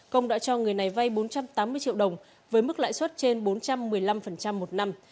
công đã cho người này vay bốn trăm tám mươi triệu đồng với mức lãi suất trên bốn trăm một mươi năm một năm